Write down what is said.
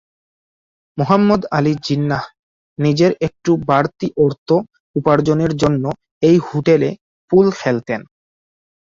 মুহাম্মদ আলী জিন্নাহ নিজের একটু বাড়তি অর্থ উপার্জনের জন্য এই হোটেলে পুল খেলতেন।